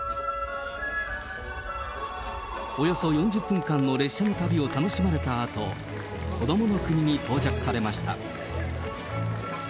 およそ４０分間の列車の旅を楽しまれたあと、こどもの国に到着さ